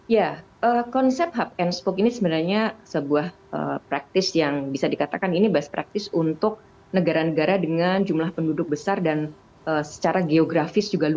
ya konsep hub and spool ini sebenarnya sebuah praktis yang bisa dikatakan ini best practice untuk negara negara dengan jumlah penduduk besar dan secara geografis juga